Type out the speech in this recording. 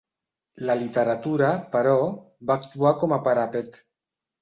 La literatura, però, va actuar com a parapet.